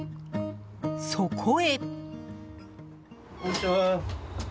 そこへ。